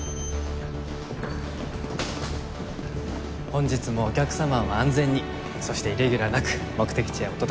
本日もお客様を安全にそしてイレギュラーなく目的地へお届けしましょう！